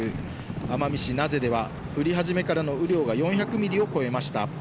奄美市名瀬では降り始めからの雨量が４００ミリを超えました。